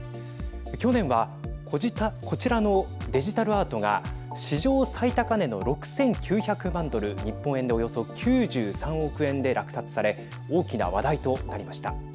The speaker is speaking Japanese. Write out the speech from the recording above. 去年はこちらのデジタルアートが史上最高値の６９００万ドル日本円でおよそ９３億円で落札され大きな話題となりました。